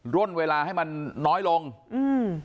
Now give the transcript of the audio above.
ร่นเวลาให้มันน้อยลงอืม